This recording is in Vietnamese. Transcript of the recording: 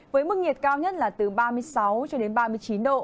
với mức nhiệt cao nhất là từ ba mươi sáu cho đến ba mươi chín độ